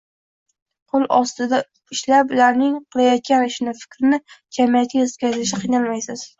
qo‘l ostida ishlab, ularning qilayotgan ishini, fikrini jamiyatga yetkazishda qiynalmaysiz.